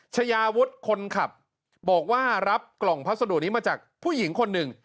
ชายาวุฒิคนขับบอกว่ารับกล่องพัสดุนี้มาจากผู้หญิงคนหนึ่ง